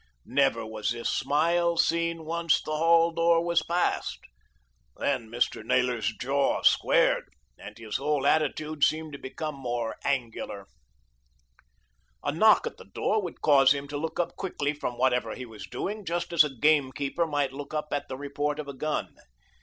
Never was this smile seen once the hall door was passed. Then Mr. Naylor's jaw squared, and his whole attitude seemed to become more angular. A knock at the door would cause him to look up quickly from whatever he was doing, just as a gamekeeper might look up at the report of a gun.